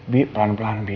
bi pelan pelan bi